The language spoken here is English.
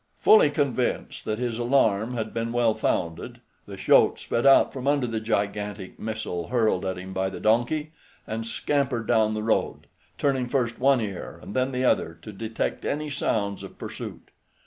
Fully convinced that his alarm had been well founded, the shote sped out from under the gigantic missile hurled at him by the donkey, and scampered down the road, turning first one ear and then the other to detect any sounds of pursuit.